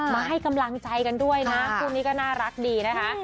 มาให้กำลังใจกันด้วยนะคู่นี้ก็น่ารักดีนะคะ